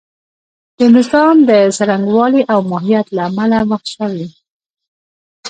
د نظام د څرنګوالي او ماهیت له امله مخ شوې.